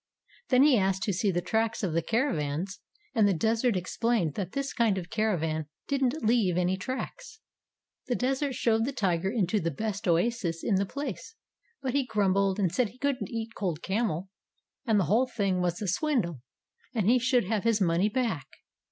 Then he asked to see the tracks of the caravans, and the Desert explained that this kind of caravan didn't leave any tracks. The Desert showed the tiger into the best oasis in the place, but he grumbled and said he couldn't eat cold camel, and the whole thing was a swindle, and he should have his money back.